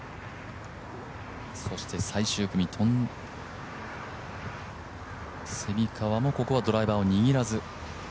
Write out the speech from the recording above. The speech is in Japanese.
そして最終組、蝉川もここはドライバーを握らず。